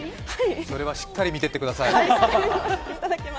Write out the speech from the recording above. それはしっかり見ていってください。